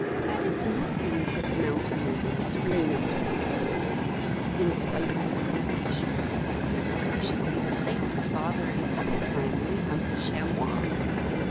"That is nothing," said the mountain maiden springing up to her like a kid, in spite of her great heavy shoes; "you should see the places Father and Seppel climb when they hunt the chamois."